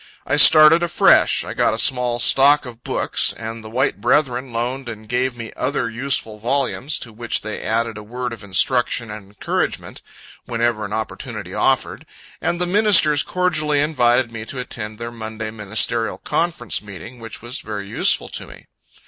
I started afresh I got a small stock of books, and the white brethren loaned and gave me other useful volumes, to which they added a word of instruction and encouragement, whenever an opportunity offered; and the ministers cordially invited me to attend their Monday ministerial conference meeting, which was very useful to me.